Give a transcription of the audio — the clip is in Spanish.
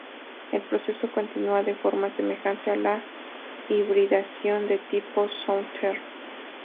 El proceso continúa de forma semejante a la hibridación de tipo Southern.